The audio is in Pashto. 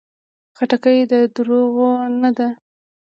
خټکی د دروغو نه ده.